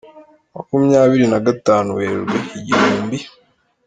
Makumyabiri na gatanu Werurwe igihumbi